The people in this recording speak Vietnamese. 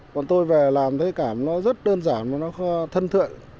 còn tôi về làm thấy cả nó rất đơn giản và nó thân thượng